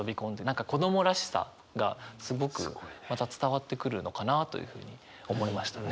何か子供らしさがすごくまた伝わってくるのかなというふうに思いましたね。